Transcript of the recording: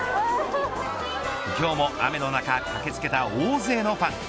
今日も雨の中駆け付けた大勢のファン。